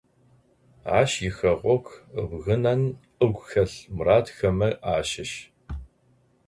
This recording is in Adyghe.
Ащ ихэгъэгу ыбгынэн ыгу хэлъ мурадхэмэ ащыщ.